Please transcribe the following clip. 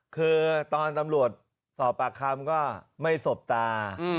คือตอนตำรวจสอบปากคำก็ไม่สบตา